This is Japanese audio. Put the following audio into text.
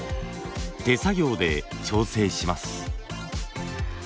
手作業で調整します。